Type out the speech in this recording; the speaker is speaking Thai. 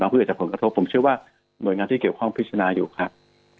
เพื่อเกิดจากผลกระทบผมเชื่อว่าหน่วยงานที่เกี่ยวข้องพิจารณาอยู่ครับ